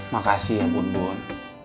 makasih ya bun bun